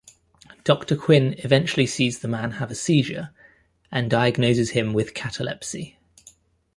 Doctor Quinn eventually sees the man have a seizure and diagnoses him with catalepsy.